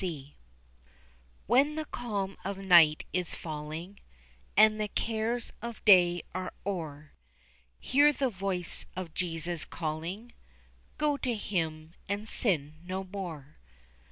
HYMN. When the calm of night is falling And the cares of day are o'er, Hear the voice of Jesus calling; Go to Him and sin no more.